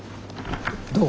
どう？